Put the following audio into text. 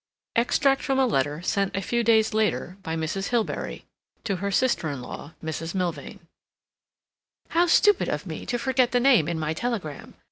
Extract from a letter sent a few days later by Mrs. Hilbery to her sister in law, Mrs. Milvain: "... How stupid of me to forget the name in my telegram.